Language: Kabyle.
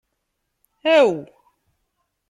Aw!